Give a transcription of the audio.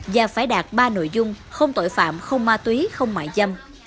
và phải đạt ba nội dung không tội phạm không ma túy không mại dâm